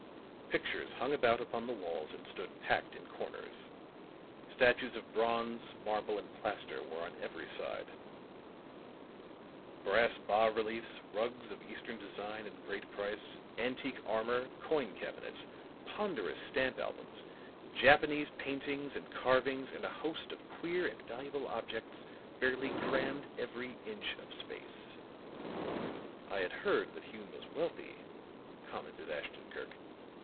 Pictures hung about upon the walls and stood packed in corners; statues of bronze, marble and plaster were on every side; brass bas reliefs, rugs of Eastern design and great price, antique armor, coin cabinets, ponderous stamp albums, Japanese paintings and carvings and a host of queer and valuable objects fairly crammed every inch of space. "I had heard that Hume was wealthy," commented Ashton Kirk.